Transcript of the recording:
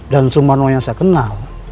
dan semarno yang saya kenal